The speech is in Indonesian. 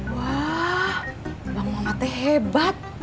wah uang mamatnya hebat